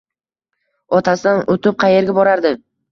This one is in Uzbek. Otasidan o`tib qaerga borardi